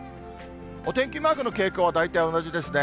お天気マークの傾向は大体同じですね。